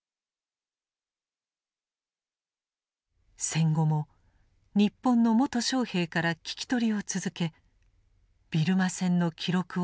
戦後も日本の元将兵から聞き取りを続けビルマ戦の記録を書き残した。